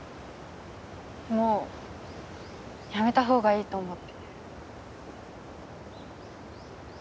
もうやめたほうがいいと思って。